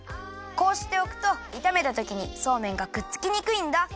こうしておくといためたときにそうめんがくっつきにくいんだ。